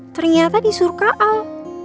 ternyata disuruh kak al